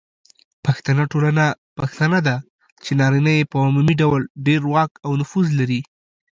پښتنه ټولنه پښتنه ده، چې نارینه په عمومي ډول ډیر واک او نفوذ لري.